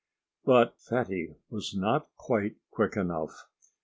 But Fatty was not quite quick enough.